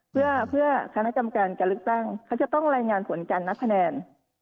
เพื่อเพื่อคณะกรรมการการลึกตั้งเขาจะต้องแรงงานผลการณักแพนัน